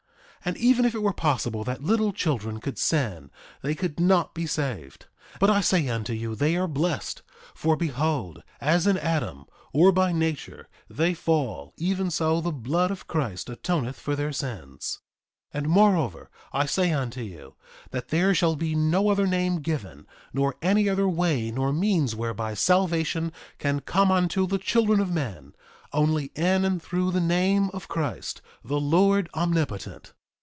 3:16 And even if it were possible that little children could sin they could not be saved; but I say unto you they are blessed; for behold, as in Adam, or by nature, they fall, even so the blood of Christ atoneth for their sins. 3:17 And moreover, I say unto you, that there shall be no other name given nor any other way nor means whereby salvation can come unto the children of men, only in and through the name of Christ, the Lord Omnipotent.